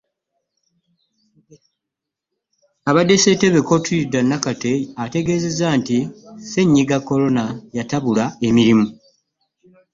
Abadde Ssentebe Cotilida Nakate ategeezezza nti Ssennyiga Corona yatabula emirimu